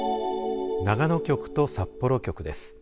長野局と札幌局です。